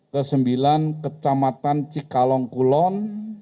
kesembilan kecamatan cikalongkulon